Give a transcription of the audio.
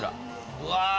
うわ。